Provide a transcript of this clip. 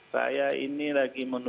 saya ini lagi menunggu